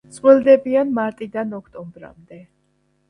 წყვილდებიან მარტიდან ოქტომბრამდე.